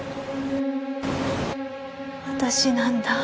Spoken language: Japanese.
私なんだ。